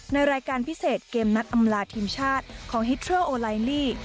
ในรายการพิเศษเกมนัดอำลาทีมชาติของฮิตเทอร์โอไลลี่